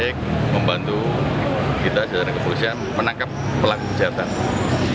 yang membantu kita secara keperluan menangkap pelaku jatuh